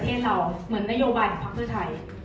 อ๋อแต่มีอีกอย่างนึงค่ะ